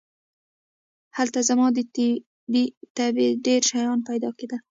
هلته زما د طبعې ډېر شیان پیدا کېدل.